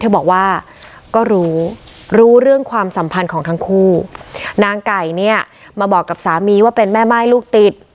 บอกว่าก็รู้รู้เรื่องความสัมพันธ์ของทั้งคู่นางไก่เนี่ยมาบอกกับสามีว่าเป็นแม่ม่ายลูกติด